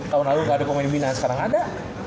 tahun lalu gak ada pemain binaan sekarang ada